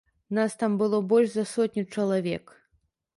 Нас там было больш за сотню чалавек.